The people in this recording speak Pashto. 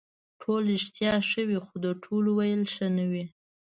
ټول رښتیا ښه وي خو د ټولو ویل ښه نه وي.